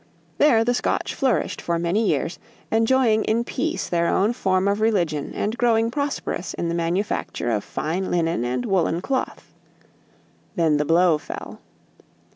There the Scotch nourished for many years enjoying in peace their own form of religion and growing prosperous in the manufacture of fine linen and woolen cloth. Then the blow fell.